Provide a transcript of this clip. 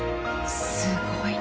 すごいな。